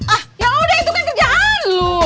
ah ya udah itu kan kerjaan lo